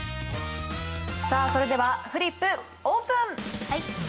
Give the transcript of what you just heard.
さあそれではフリップオープン！